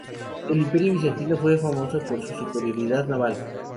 El Imperio bizantino fue famoso por su superioridad naval.